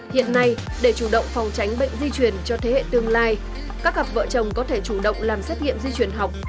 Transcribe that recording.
hiện nay để chủ động phòng tránh bệnh di truyền cho thế hệ tương lai các cặp vợ chồng có thể chủ động làm xét nghiệm di chuyển học